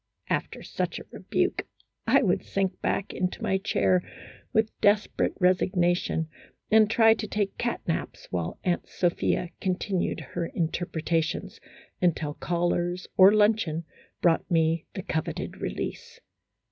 After such a rebuke, I would sink back into my chair with desperate resignation, and try to take cat naps while Aunt Sophia continued her interpre tations, until callers or luncheon brought me the coveted release.